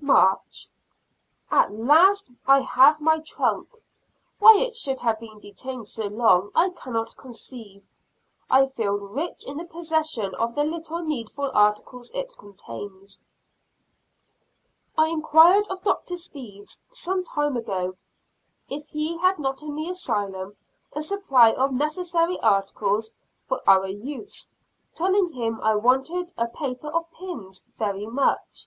March. At last I have my trunk: why it should have been detained so long I cannot conceive. I feel rich in the possession of the little needful articles it contains. I enquired of Dr. Steeves, some time ago, if he had not in the Asylum a supply of necessary articles for our use, telling him I wanted a paper of pins very much.